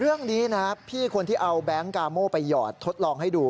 เรื่องนี้นะพี่คนที่เอาแบงค์กาโม่ไปหยอดทดลองให้ดู